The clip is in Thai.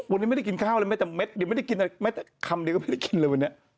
วันนี้ไม่ได้กินข้าวเลยไม่ได้เม็ดคำเดียวก็ไม่ได้กินเลยวันนี้